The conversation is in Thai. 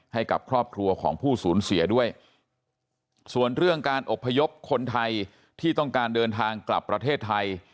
ให้กับครอบครัวของผู้สูญเสียด้วยส่วนเรื่องการอบพยพคนไทยที่ต้องการเดินทางกลับประเทศไทย